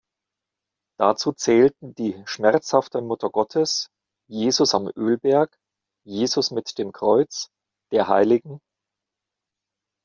Dazu zählten die Schmerzhafte Muttergottes, Jesus am Ölberg, Jesus mit dem Kreuz, der hl.